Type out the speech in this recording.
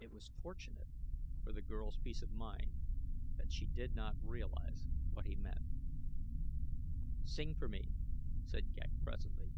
It was fortunate for the girl's peace of mind that she did not realize what he meant. "Sing for me," said Ghek, presently.